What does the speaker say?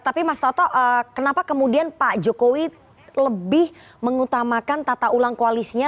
tapi mas toto kenapa kemudian pak jokowi lebih mengutamakan tata ulang koalisinya